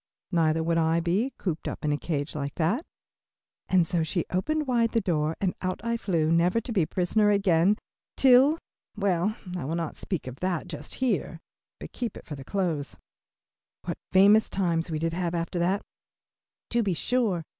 Neither would I be, cooped up in a cage like that," and so she opened wide the door and out I flew, never to be a prisoner again till, well, I will not speak of that just here, but keep it for the close. What famous times we did have after that, to be sure.